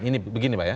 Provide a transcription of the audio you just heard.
ini begini pak ya